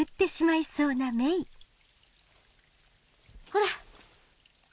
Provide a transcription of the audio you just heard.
ほら。